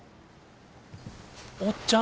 おっちゃん！